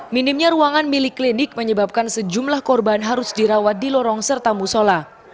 minimnya ruangan milik klinik menyebabkan sejumlah korban harus dirawat di lorong serta musola